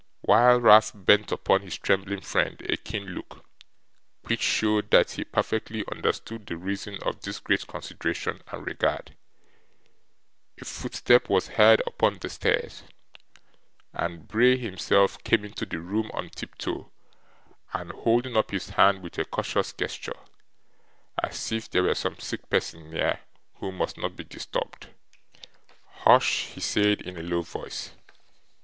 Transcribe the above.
While Ralph bent upon his trembling friend a keen look, which showed that he perfectly understood the reason of this great consideration and regard, a footstep was heard upon the stairs, and Bray himself came into the room on tiptoe, and holding up his hand with a cautious gesture, as if there were some sick person near, who must not be disturbed. 'Hush!' he said, in a low voice.